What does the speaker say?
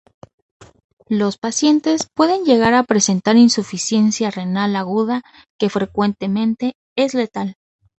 Los pacientes pueden llegar a presentar insuficiencia renal aguda que frecuentemente es letal.